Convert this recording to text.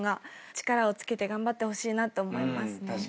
力をつけて頑張ってほしいなと思いますね。